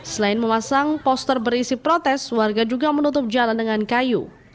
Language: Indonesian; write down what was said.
selain memasang poster berisi protes warga juga menutup jalan dengan kayu